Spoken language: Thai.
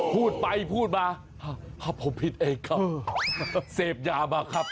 พูดไปพูดมาผมผิดเองครับเสพยามาครับ